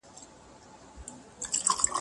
باید د ارتباطي انقلابونو پایلې وڅېړل سي.